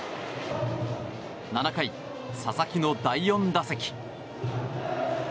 ７回、佐々木の第４打席。